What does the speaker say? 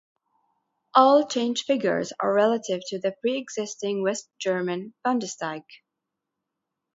All change figures are relative to the pre-existing West German Bundestag.